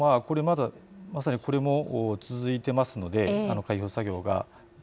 まさにこれも続いていますので、開票作業が。